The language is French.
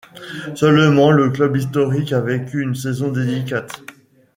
Seulement, le club historique a vécu une saison délicate.